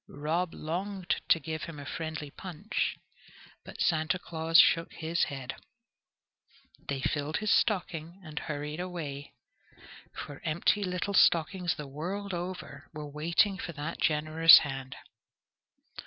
Rob longed to give him a friendly punch, but Santa Claus shook his head. They filled his stocking and hurried away, for empty little stockings the world over were waiting for that generous hand.